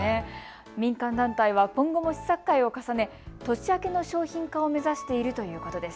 民間団体は今後も試作会を重ね年明けの商品化を目指しているとのことです。